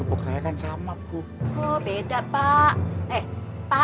bu ada apa mas nopat buat ibu